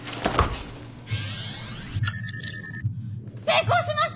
成功しました！